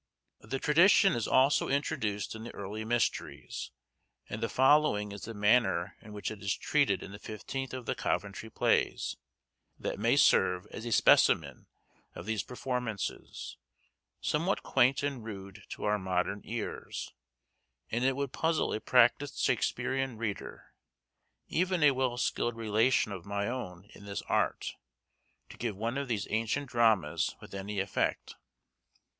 The tradition is also introduced in the early mysteries, and the following is the manner in which it is treated in the fifteenth of the Coventry plays, that may serve as a specimen of these performances, somewhat quaint and rude to our modern ears; and it would puzzle a practised Shakesperian reader, even a well skilled relation of my own in this art, to give one of these ancient dramas with any effect.